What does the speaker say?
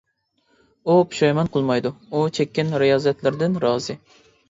ئۇ پۇشايمان قىلمايدۇ، ئۇ چەككەن رىيازەتلىرىدىن رازى.